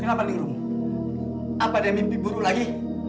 apa dia mimpi buruh lagi